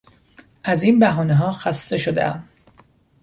از این بهانهها خسته شدهام.